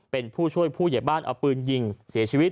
เป็นผู้ช่วยผู้เหยียบบ้านเอาปืนยิงเสียชีวิต